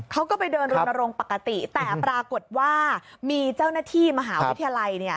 เขาก็ไปเดินรณรงค์ปกติแต่ปรากฏว่ามีเจ้าหน้าที่มหาวิทยาลัยเนี่ย